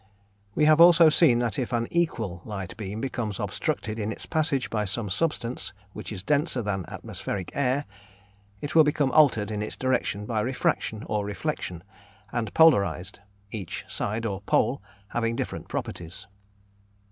We have also seen that if an equal light beam becomes obstructed in its passage by some substance which is denser than atmospheric air, it will become altered in its direction by refraction or reflection, and polarised, each side or pole having different properties.